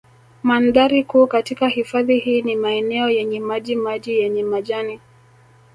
Mandhari kuu katika hifadhi hii ni maeneo yenye maji maji yenye majani